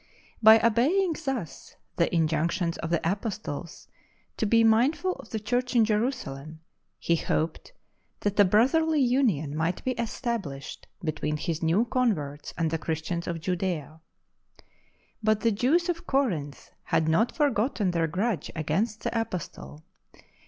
By obeying thus the injunctions of & mindful of the Church in Jerusalem," he hoped that a brotherly union might be established between his ne\v converts and the Christians ■ of: Judea. /'■ C/ ;^ But the Jews of Corinth had not foi gotten their grudge against the Apostle.